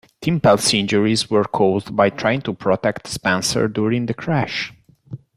Tim Pelt's injuries were caused by trying to protect Spencer during the crash.